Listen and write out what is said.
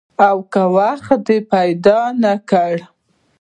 او که وخت دې پیدا نه کړ؟